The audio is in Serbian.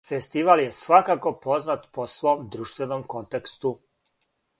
Фестивал је свакако познат по свом друштвеном контексту.